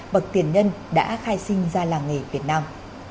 bậc tiền nhân đã khai sinh ra làng nghề việt nam